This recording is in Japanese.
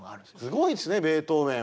すごいですねベートーベンは。